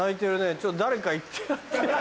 ちょっと誰か行ってやって。